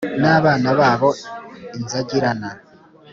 n abana babo i Nzagirana